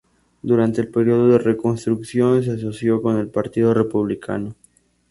Durante el período de Reconstrucción, se asoció con el Partido Republicano.